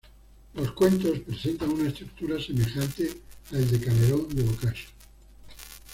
Los cuentos presentan una estructura semejante a "El Decamerón" de Boccaccio.